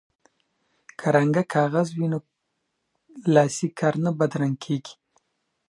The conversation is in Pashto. که رنګه کاغذ وي نو کارډستي نه بدرنګیږي.